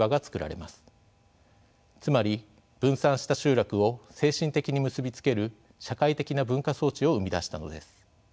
つまり分散した集落を精神的に結び付ける社会的な文化装置を生み出したのです。